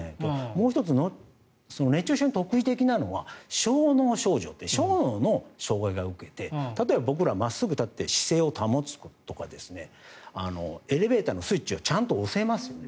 もう１つ、熱中症に特異的なのは小脳症状っていう小脳が障害を受けて例えば僕ら、真っすぐ立って姿勢を保つとかエレベーターのスイッチをちゃんと押せますよね。